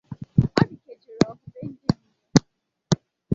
ọ dị ka e jere ọgụ be ndị mmụọ